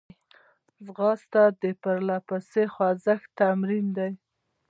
ځغاسته د پرلهپسې خوځښت تمرین دی